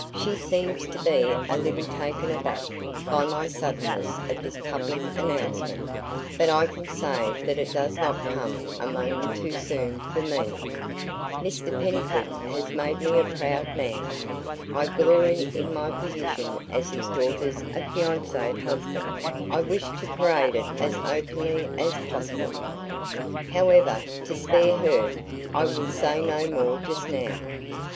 "She seems to be a little taken aback by the suddenness of this public announcement, but I can say that it does not come a moment too soon for me. Mr Pennycuick has made me a proud man. I glory in my position as his daughter's affianced husband; I wish to parade it as openly as possible. However, to spare her, I will say no more just now.